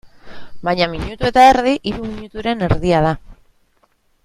Baina minutu eta erdi, hiru minuturen erdia da.